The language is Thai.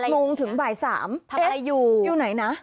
๑๑โมงถึงบ่าย๓ทำไลน์อยู่อยู่ไหนนะ